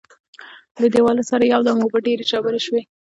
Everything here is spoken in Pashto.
له دیواله سره یو دم اوبه ډېرې ژورې شوې.